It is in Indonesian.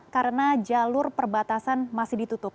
karena jalur perbatasan masih ditutup